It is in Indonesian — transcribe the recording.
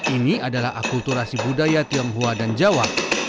ini adalah akulturasi budaya tionghoa dan jawa